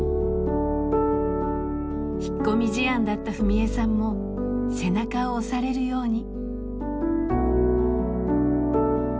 引っ込み思案だった史恵さんも背中を押されるように。